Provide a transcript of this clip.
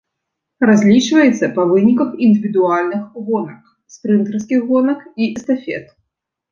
Разлічваецца па выніках індывідуальных гонак, спрынтарскіх гонак і эстафет.